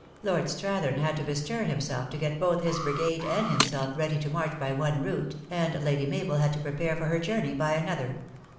Lord Strath ern had to bestir himself, to get both his brigade and himself ready to march by one route, and Lady Mabel had to prepare for her journey by another.